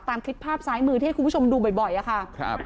ตามคลิปภาพซ้ายมือที่ให้คุณผู้ชมดูบ่อยอะค่ะครับ